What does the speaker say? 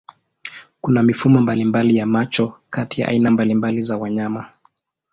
Kuna mifumo mbalimbali ya macho kati ya aina mbalimbali za wanyama.